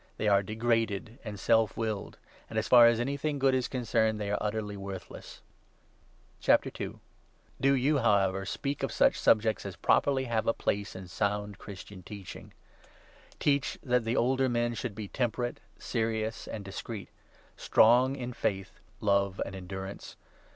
They are degraded and self willed ; and, as far as anything good is concerned, they are utterly worthless. Do you, however, speak of such subjects as i Relation* to properly have a place in sound Christian teach tnoae under ing. Teach that the older men should be 2 MS care, temperate, serious, and discreet ; strong in faith, love, and endurance.